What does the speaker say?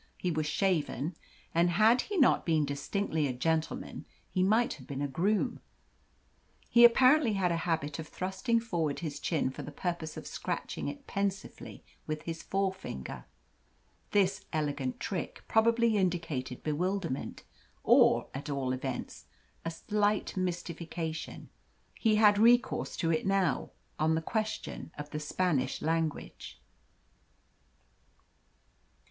He was shaven, and had he not been distinctly a gentleman, he might have been a groom. He apparently had a habit of thrusting forward his chin for the purpose of scratching it pensively with his forefinger. This elegant trick probably indicated bewilderment, or, at all events, a slight mystification he had recourse to it now on the question of the Spanish language.